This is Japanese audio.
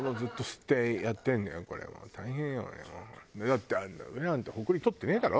だってあんな上なんてホコリ取ってねえだろ？